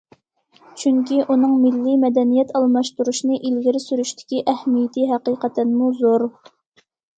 چۈنكى ئۇنىڭ مىللىي مەدەنىيەت ئالماشتۇرۇشىنى ئىلگىرى سۈرۈشتىكى ئەھمىيىتى ھەقىقەتەنمۇ زور.